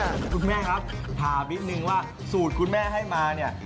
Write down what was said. คุณแม่ครับถามนิดนึงว่าสูตรคุณแม่ให้มาเนี่ย